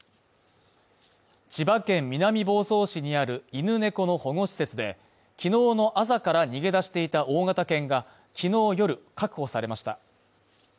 千葉県南房総市にある犬猫の保護施設で、昨日の朝から逃げ出していた大型犬が昨日夜確保されました。